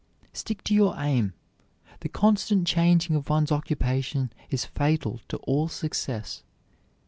Stick to your aim. The constant changing of one's occupation is fatal to all success.